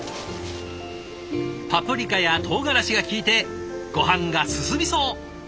パプリカやとうがらしがきいてごはんが進みそう。